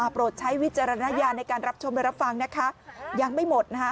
โปรดใช้วิจารณญาณในการรับชมและรับฟังนะคะยังไม่หมดนะคะ